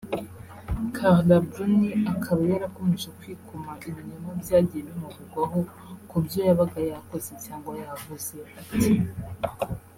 Carla Bruni akaba yarakomeje kwikoma ibinyoma byagiye bimuvugwaho kubyo yabaga yakoze cyangwa yavuze ati